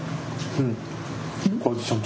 うん。